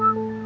ya udah deh